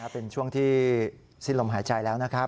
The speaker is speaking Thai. เป็นช่วงที่สิ้นลมหายใจแล้วนะครับ